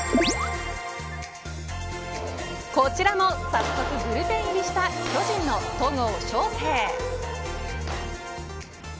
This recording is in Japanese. こちらも早速ブルペン入りした巨人の戸郷翔征。